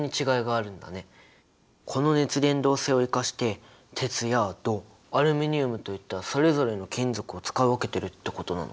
この熱伝導性を生かして鉄や銅アルミニウムといったそれぞれの金属を使い分けてるってことなのかな？